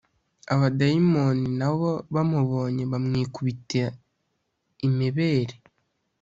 abadayimoni na bo bamubonye bamwikubita imebere.